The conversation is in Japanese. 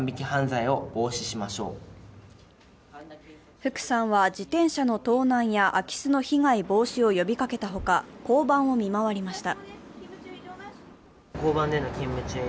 福さんは、自転車の盗難や空き巣の被害防止を呼びかけた他、交番を見回りました。